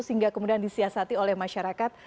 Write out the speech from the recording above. sehingga kemudian disiasati oleh masyarakat